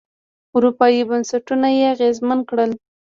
اروپايي بنسټونه یې اغېزمن کړل.